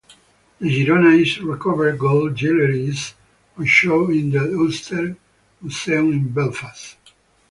The "Girona"'s recovered gold jewellery is on show in the Ulster Museum in Belfast.